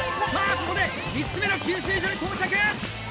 ここで３つ目の給水所に到着！